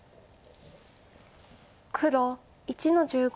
黒１の十五。